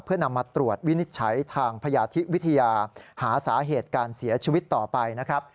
เพื่อนำมาตรวจวินิจฉัยทางพยาธิวิทยาหาสาเหตุการเสียชีวิตต่อไปนะครับ